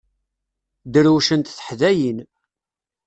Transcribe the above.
Drewcent teḥdayin.